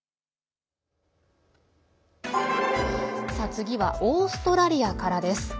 次はオーストラリアからです。